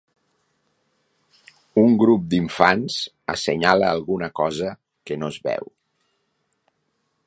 Un grup d'infants assenyala alguna cosa que no es veu.